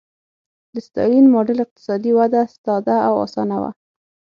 د ستالین ماډل اقتصادي وده ساده او اسانه وه